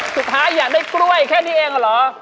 สุดท้ายอยากได้กล้วยแค่นี้เองหรือ